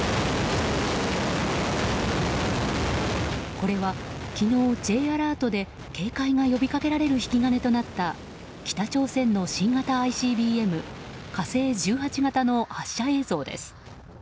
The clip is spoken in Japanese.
これは、昨日Ｊアラートで警戒が呼び掛けられる引き金となった北朝鮮の新型ＩＣＢＭ「火星１８型」の発射映像です。